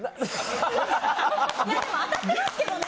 でも当たってますけどね。